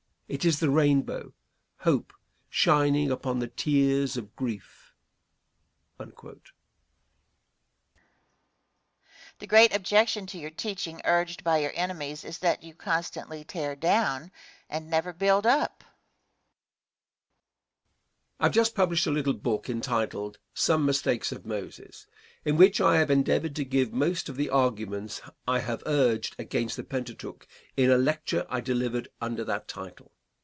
It is the rainbow Hope, shining upon the tears of grief." Question. The great objection to your teaching urged by your enemies is that you constantly tear down, and never build up? Answer. I have just published a little book entitled, "Some Mistakes of Moses," in which I have endeavored to give most of the arguments I have urged against the Pentateuch in a lecture I delivered under that title.